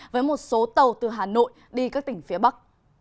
với một số tàu từ hà nội đi các tỉnh phía bắc